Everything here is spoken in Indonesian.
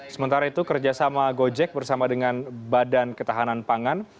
sementara itu kerjasama gojek bersama dengan badan ketahanan pangan